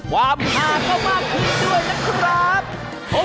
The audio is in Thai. ความห้าก็มากขึ้นด้วยนะครับ